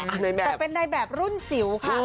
แต่เป็นในแบบรุ่นจิ๋วค่ะ